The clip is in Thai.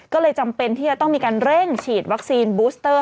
ก็เลยจำเป็นที่จะต้องมีการเร่งฉีดวัคซีนบูสเตอร์